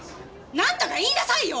なんとか言いなさいよ！